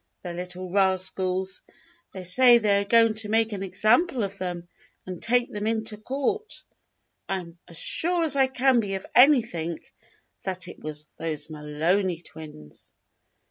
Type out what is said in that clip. The little rascals! They say they are going to make an example of some of them and take them into court. I am as sure as I can be of anything that it was those Mahoney twins."